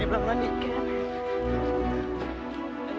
dia ngasih kandungin lu steve